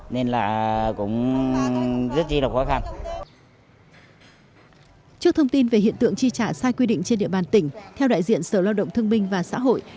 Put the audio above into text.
trước thông tin về hiện tượng chi trả sai quy định trên địa bàn tỉnh theo đại diện sở lao động thương minh và xã hội